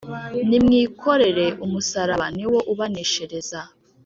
Nimwikorere'umusaraba: Ni wo ubaneshereza.